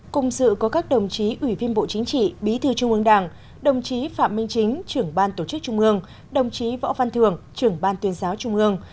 cùng dự có các đồng chí ủy viên bộ chính trị bí thư trung ương đảng đồng chí phạm minh chính trưởng ban tổ chức trung ương đồng chí võ văn thường trưởng ban tuyên giáo trung ương